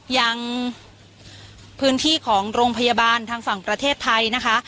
ยังพื้นที่ของโรงพยาบาลทางฝั่งประเทศไทยนะคะ